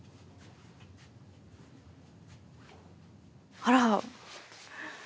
あら。